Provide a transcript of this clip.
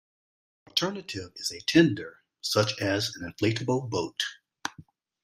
The alternative is a tender such as an inflatable boat.